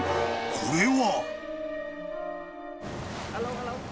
これは］